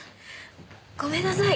ごめんなさい